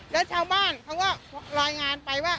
แล้วชาวบ้านเขาก็รายงานไปว่า